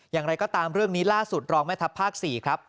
อย่างไรก็ตามเรื่องนี้ล่าสุดรองแม่ทัพภาค๔ครับ